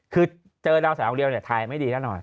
คือเจอดาวน์สาวองค์เดียวทายไม่ดีนักหน่อย